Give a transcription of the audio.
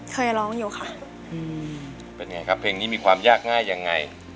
เคยร้องอยู่ค่ะเป็นไงครับเพลงนี้มีความยากง่ายยังไง